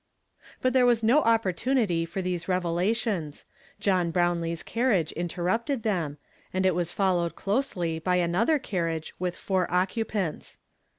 But there was no opportunity for these revela tions. John Brownlee's carriage interrupted them, and it was followed closely by another carriao e with four occupants.